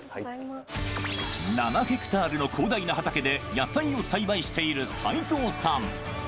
７ヘクタールの広大な畑で野菜を栽培している齋藤さん。